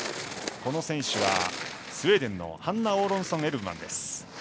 この選手は、スウェーデンのハンナ・オーロンソンエルブマン。